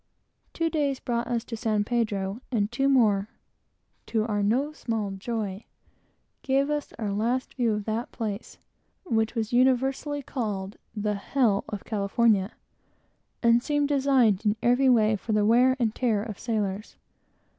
Two days brought us to San Pedro, and two days more (to our no small joy) gave us our last view of that place, which was universally called the hell of California, and seemed designed, in every way, for the wear and tear of sailors.